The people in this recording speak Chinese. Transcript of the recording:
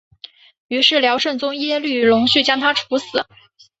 于是辽圣宗耶律隆绪将他处死。